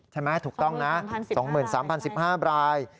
ใช่ไหมถูกต้องนะ๒๓๐๑๕ราย